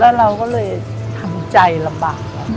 แล้วเราก็เลยทำใจลำบาก